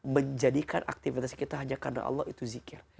menjadikan aktivitas kita hanya karena allah itu zikir